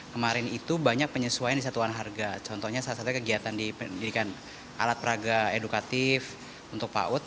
kemarin itu banyak penyesuaian di satuan harga contohnya salah satu kegiatan di pendidikan alat peraga edukatif untuk paut